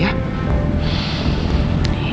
ya udah deh